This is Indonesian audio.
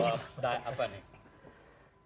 jawab apa nih